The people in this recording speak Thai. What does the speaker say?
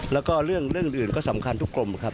แล้วก็เรื่องอื่นก็สำคัญทุกกรมครับ